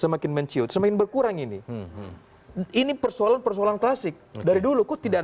semakin menciut semakin berkurang ini ini persoalan persoalan klasik dari dulu kok tidak